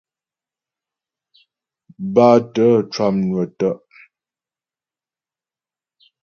Bátə̀ cwànwə̀ tə'.